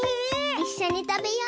いっしょにたべよう！